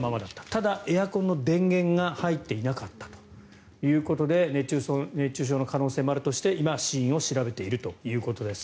ただ、エアコンの電源が入っていなかったということで熱中症の可能性もあるとして今、死因を調べているということです。